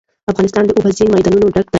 افغانستان له اوبزین معدنونه ډک دی.